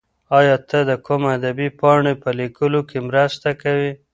ایا ته د کوم ادبي پاڼې په لیکلو کې مرسته کوې؟